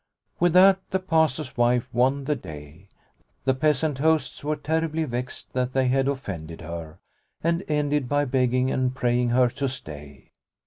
With that the Pastor's wife won the day. The peasant hosts were terribly vexed that they had offended her, and ended by begging and praying her to stay.